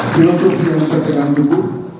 filosofi yang saya tekanku